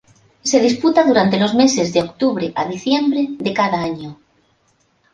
Se disputa durante los meses de octubre a diciembre de cada año.